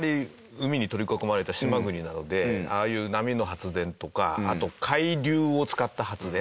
海に取り囲まれた島国なのでああいう波の発電とかあと海流を使った発電。